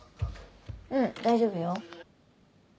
うん大丈夫よ。